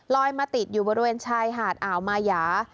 มาติดอยู่บริเวณชายหาดอ่าวมายา